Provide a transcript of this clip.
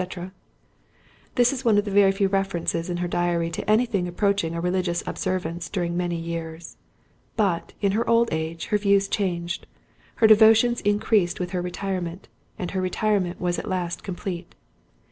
—this is one of the very few references in her diary to anything approaching a religious observance during many years. But, in her old age, her views changed; her devotions increased with her retirement; and her retirement was at last complete.